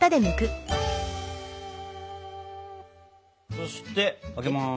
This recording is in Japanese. そしてあげます。